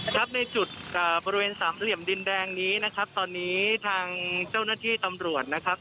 ครับในจุดบริเวณสามเหลี่ยมดินแดงนี้นะครับตอนนี้ทางเจ้าหน้าที่ตำรวจนะครับ